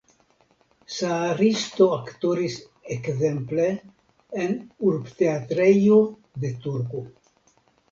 Saaristo aktoris ekzemple en Urbteatrejo de Turku.